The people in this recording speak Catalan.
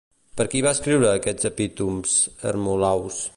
Per qui va escriure aquests epítoms Hermolaus?